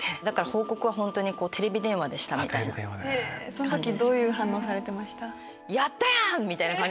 そん時どういう反応されてました？